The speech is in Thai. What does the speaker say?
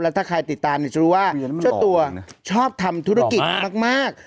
ถ้าใครติดตามจะรู้ว่าเจ้าตัวชอบทำธุรกิจมาก